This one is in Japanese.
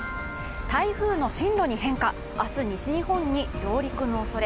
台風の進路に変化明日、西日本に上陸の恐れ。